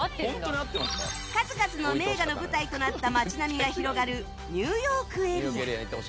数々の名画の舞台となった街並みが広がるニューヨーク・エリア